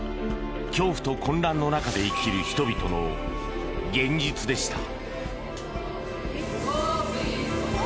恐怖と混乱の中で生きる人々の現実でした。